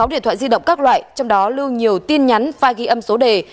hai mươi sáu điện thoại di động các loại trong đó lưu nhiều tin nhắn file ghi âm số đề